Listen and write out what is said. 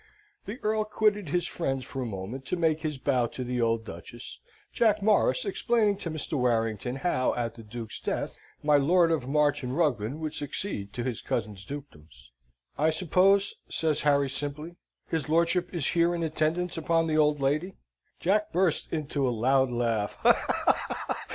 The Earl quitted his friends for a moment to make his bow to the old Duchess, Jack Morris explaining to Mr. Warrington how, at the Duke's death, my Lord of March and Ruglen would succeed to his cousin's dukedoms. "I suppose," says Harry, simply, "his lordship is here in attendance upon the old lady?" Jack burst into a loud laugh.